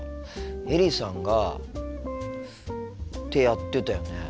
エリさんがってやってたよね。